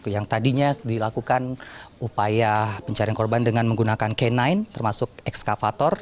yang tadinya dilakukan upaya pencarian korban dengan menggunakan k sembilan termasuk ekskavator